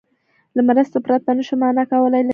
له مرستې پرته نه شو مانا کولای، لکه چې